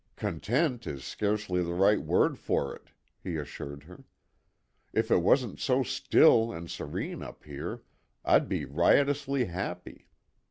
"Content is scarcely the right word for it," he assured her. "If it wasn't so still and serene up here, I'd be riotously happy.